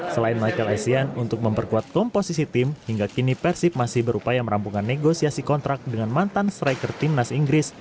selain michael essien untuk memperkuat komposisi tim hingga kini persib masih berupaya merampungkan negosiasi kontrak dengan mantan striker timnas inggris